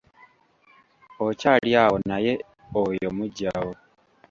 Okyali awo naye oyo muggyawo.